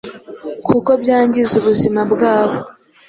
kuko byangiza ubuzima bwabo